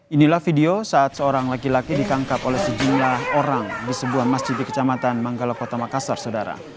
inilah video saat seorang laki laki ditangkap oleh sejumlah orang di sebuah masjid di kecamatan manggala kota makassar